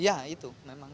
iya itu memang